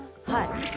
はい。